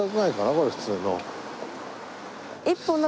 これ普通の。